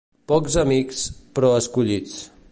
Pocs amics, però escollits.